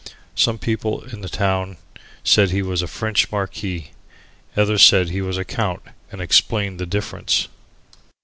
Some people in the town said he was a French marquis. Others said he was a count and explained the difference.